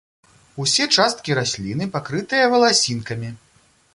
Усе часткі расліны пакрытыя валасінкамі.